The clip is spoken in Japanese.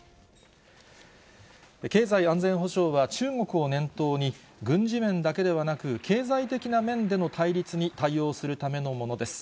経済安全保障は、中国を念頭に、軍事面だけではなく、経済的な面での対立に対応するためのものです。